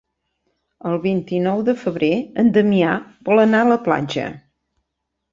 El vint-i-nou de febrer en Damià vol anar a la platja.